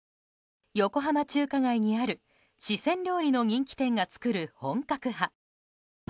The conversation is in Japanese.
横浜中華街にある四川料理の人気店が作る本格派。